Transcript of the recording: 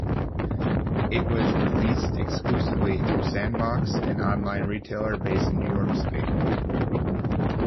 It was released exclusively through Sandbox, an online retailer based in New York City.